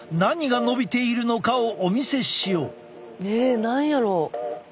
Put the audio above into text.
何やろう？